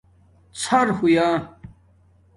ݼر ہویا